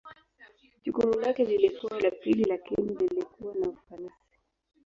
Jukumu lake lilikuwa la pili lakini lilikuwa na ufanisi.